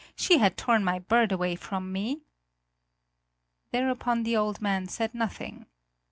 "She had torn my bird away from me!" Thereupon the old man said nothing.